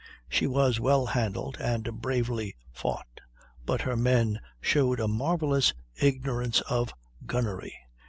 She was well handled and bravely fought; but her men showed a marvellous ignorance of gunnery.